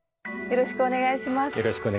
よろしくお願いします。